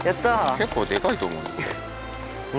結構でかいと思うよこれ。